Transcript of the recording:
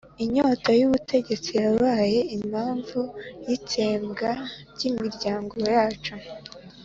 inyota y'ubutegetsi yabaye impamvu y'itsembwa ry'imiryango yacu